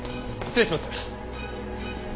失礼します。